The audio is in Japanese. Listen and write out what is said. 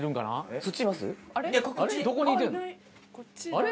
あれ？